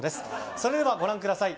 それではご覧ください。